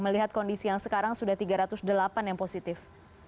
melihat kondisi yang sekarang sudah tiga ratus delapan yang positif